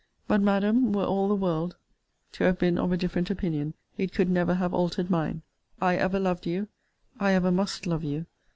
But, Madam, were all the world to have been of a different opinion, it could never have altered mine. I ever loved you; I ever must love you.